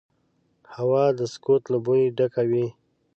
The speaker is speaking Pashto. هوا د سکوت له بوی ډکه وي